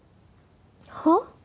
はっ？